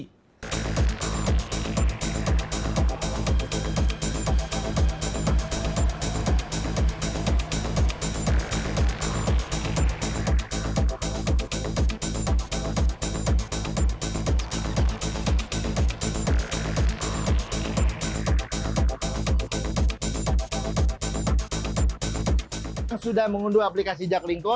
ketika kita sudah mengunduh aplikasi jaklingco